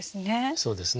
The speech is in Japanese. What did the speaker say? そうですね。